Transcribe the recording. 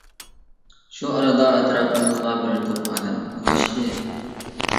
شۇ ئارىدا ئەتراپىمىزغا بىر توپ ئادەم ئولاشتى.